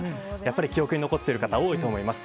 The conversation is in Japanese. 記憶に残っている方多いと思います。